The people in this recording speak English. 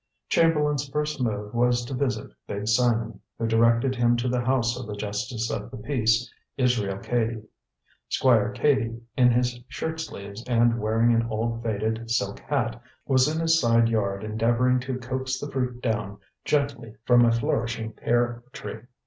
Chamberlain's first move was to visit Big Simon, who directed him to the house of the justice of the peace, Israel Cady. Squire Cady, in his shirt sleeves and wearing an old faded silk hat, was in his side yard endeavoring to coax the fruit down gently from a flourishing pear tree.